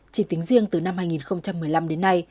chỉ tính riêng từ năm hai nghìn một mươi năm đến nay